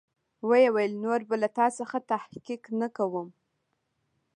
ويې ويل نور به له تا څخه تحقيق نه کوم.